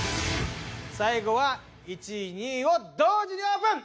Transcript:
最後は１位２位を同時にオープン！